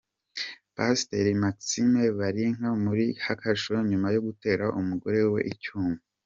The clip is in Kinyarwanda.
Pasiteri Maximamu Baliika muri kasho nyuma yo gutera umugore we icyuma.